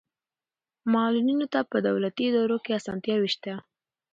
معلولینو ته په دولتي ادارو کې اسانتیاوې شته.